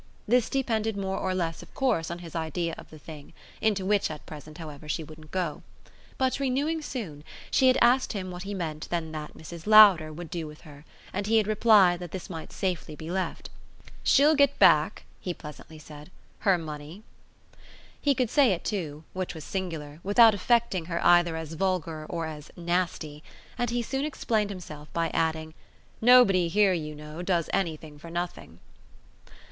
This depended more or less of course on his idea of the thing into which at present, however, she wouldn't go. But, renewing soon, she had asked him what he meant then that Mrs. Lowder would do with her, and he had replied that this might safely be left. "She'll get back," he pleasantly said, "her money." He could say it too which was singular without affecting her either as vulgar or as "nasty"; and he had soon explained himself by adding: "Nobody here, you know, does anything for nothing."